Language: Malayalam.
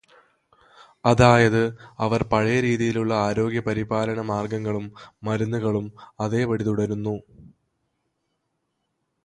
അതായത് അവർ പഴയരീതിയിലുള്ള ആരോഗ്യപരിപാലനമാര്ഗങ്ങളും മരുന്നുകളും അതേപടി തുടരുന്നു.